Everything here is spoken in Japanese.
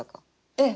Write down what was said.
ええ。